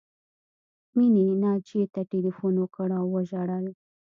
مینې ناجیې ته ټیلیفون وکړ او وژړل